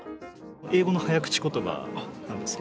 英語の早口言葉なんですけど。